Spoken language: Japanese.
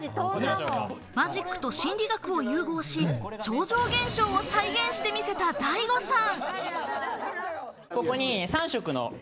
マジックと心理学を融合し、超常現象を再現してみせた、ＤａｉＧｏさん。